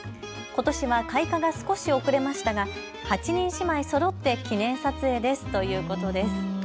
ことしは開花が少し遅れましたが８人姉妹そろって記念撮影ですということです。